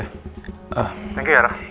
thank you rah